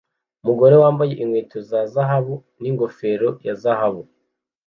Umugore wambaye inkweto za zahabu n'ingofero ya zahabu